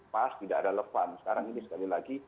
pas tidak ada lepas sekarang ini sekali lagi